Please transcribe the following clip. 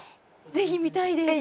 ぜひ見たいです。